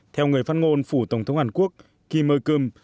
theo người phát ngôn phủ tổng thống hàn quốc kim ơi cơm